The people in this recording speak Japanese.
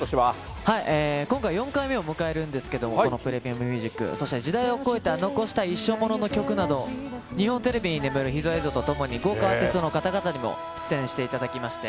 今回、４回目を迎えるんですけど、このＰｒｅｍｉｕｍＭｕｓｉｃ、そして時代を超えた残したい一生ものの曲など、日本テレビに眠る秘蔵映像とともに、豪華アーティストの方々にも出演していただきまして。